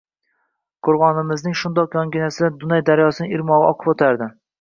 Qoʻrgʻonimizning shundoq yonginasidan Dunay daryosining irmogʻi oqib oʻtadi.